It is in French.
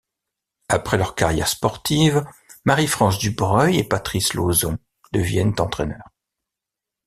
Après leur carrière sportive, Marie-France Dubreuil et Patrice Lauzon deviennent entraîneurs.